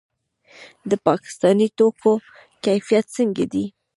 د پاکستاني توکو کیفیت څنګه دی؟